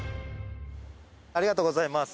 ありがとうございます。